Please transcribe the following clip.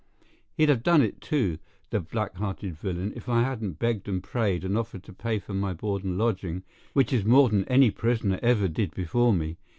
He'd have done it, too, the black hearted villain, if I hadn't begged and prayed and offered to pay for my board and lodging, which is more than any prisoner ever did before me.